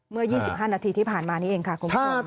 เมื่อ๒๕นาทีที่ผ่านมานี้เองค่ะคุณผู้ชม